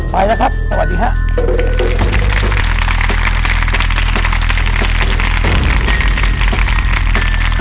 ไปแล้วครับสวัสดีครับ